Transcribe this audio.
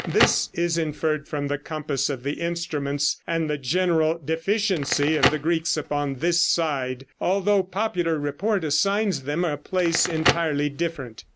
This is inferred from the compass of the instruments and the general deficiency of the Greeks upon this side, although popular report assigns them a place entirely different.